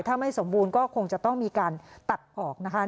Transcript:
ถ้าไม่สมบูรณ์ก็คงจะต้องมีการตัดออกนะคะ